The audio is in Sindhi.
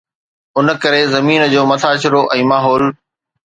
ان ڪري زمين جو مٿاڇرو ۽ ماحول